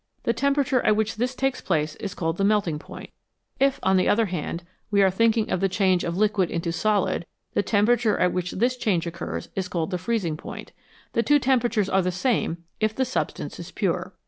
METALS, COMMON AND UNCOMMON temperature at which this takes place is called the melting point ; if, on the other hand, we are thinking of the change of liquid into solid, the temperature at which this change occurs is called the freezing point. The two temperatures are the same if the substance is pure.